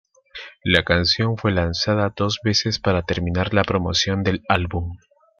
La canción fue lanzada dos veces para terminar la promoción del álbum.